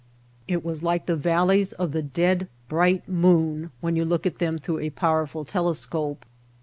It was like the valleys on the dead, bright moon when you look at them through a powerful telescope.